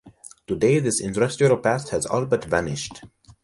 Today this industrial past has all but vanished.